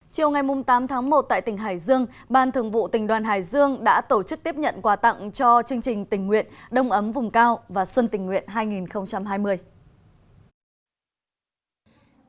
chiều ngày tám tháng một tại tỉnh hải dương ban thường vụ tỉnh đoàn hải dương đã tổ chức tiếp nhận quà tặng cho chương trình tình nguyện đông ấm vùng cao và xuân tình nguyện hai nghìn hai mươi